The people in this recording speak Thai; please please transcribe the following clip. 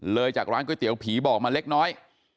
จากร้านก๋วยเตี๋ยวผีบอกมาเล็กน้อย